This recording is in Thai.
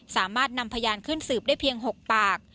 สามารถนำพยานขึ้นสืบได้เพียง๖ปาก